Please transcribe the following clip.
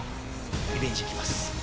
リベンジに来ます。